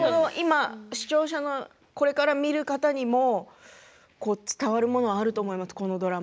視聴者、これから見る方にも伝わるものがあると思います